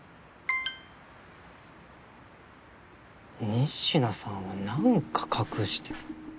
仁科さんは何か隠してる。